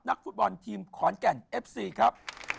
นักฟุตบอลทีมขอนแก่นเอฟซีครับ